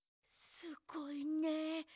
すごいね。